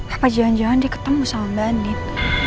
apa jangan jangan dia ketemu sama mbak nin